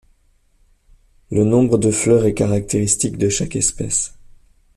Le nombre de fleurs est caractéristique de chaque espèce.